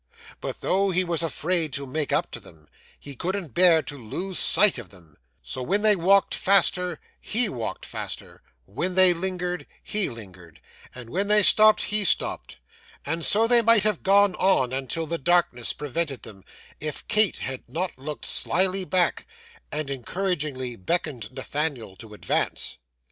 But though he was afraid to make up to them, he couldn't bear to lose sight of them; so when they walked faster he walked faster, when they lingered he lingered, and when they stopped he stopped; and so they might have gone on, until the darkness prevented them, if Kate had not looked slyly back, and encouragingly beckoned Nathaniel to advance.